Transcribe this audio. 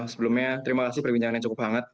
sebelumnya terima kasih perbincangan yang cukup hangat